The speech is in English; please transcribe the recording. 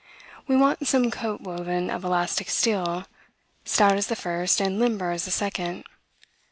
We want some coat woven of elastic steel, stout as the first, and limber as the second.